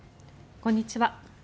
こんにちは。